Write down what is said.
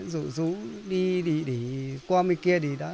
dỗ dỗ đi để qua bên kia